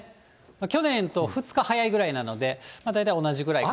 去年と２日早いぐらいなので、大体同じぐらいかな。